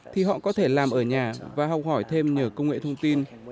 thì họ có thể làm ở nhà và học hỏi thêm nhờ công nghệ thông tin